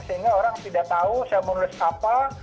sehingga orang tidak tahu saya menulis apa